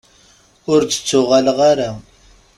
Ur d-ttuɣaleɣ ara.